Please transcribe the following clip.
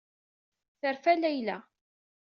Terfa Layla.